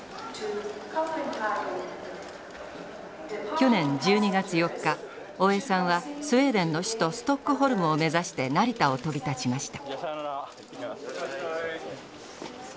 去年１２月４日大江さんはスウェーデンの首都ストックホルムを目指して成田を飛び立ちました。